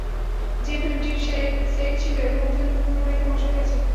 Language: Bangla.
যে ফিল্মটির সেট ছিল এবং ফিল্ম, পুরটাই ধ্বংস হয়েছে।